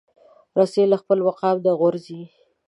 رسۍ له خپل مقامه نه غورځي.